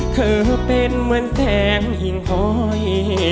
เธอเป็นเหมือนแสงอิ่งหอย